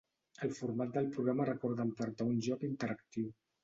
El format del programa recorda en part a un joc interactiu.